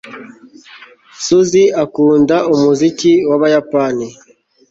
susie akunda umuziki w'abayapani